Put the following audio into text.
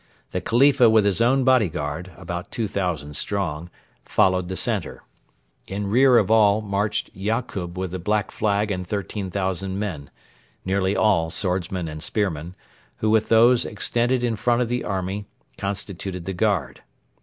The Khalifa with his own bodyguard, about 2,000 strong, followed the centre. In rear of all marched Yakub with the Black Flag and 13,000 men nearly all swordsmen and spearmen, who with those extended in front of the army constituted the guard.